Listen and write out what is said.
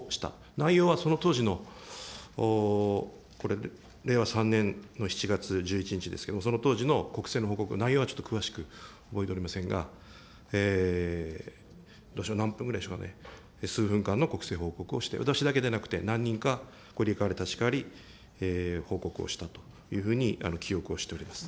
内容はその当時のこれ、令和３年の７月１１日ですけれども、その当時の国政の報告、内容はちょっと詳しく覚えておりませんが、何分ぐらいでしたでしょうかね、数分間の国政報告をして、私だけでなくて、何人か入れ代わり立ち代わり報告をしたというふうに記憶をしております。